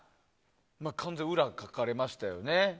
完全に裏をかかれましたよね。